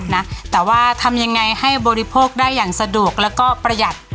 นะแต่ว่าทำยังไงให้บริโภคได้อย่างสะดวกแล้วก็ประหยัด